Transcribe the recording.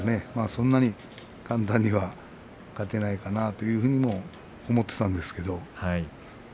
そんなに簡単には勝てないかなと思っていたんですけれども。